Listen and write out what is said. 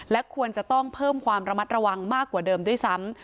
และควรจะต้องเพิ่มความระมัดระวังมากกว่าเดิมด้วยซ้ำ